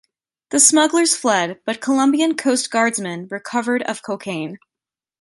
The smugglers fled, but Colombian Coast Guardsmen recovered of cocaine.